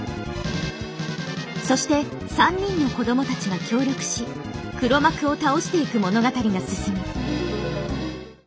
そして３人の子供たちが協力し黒幕を倒していく物語が進む。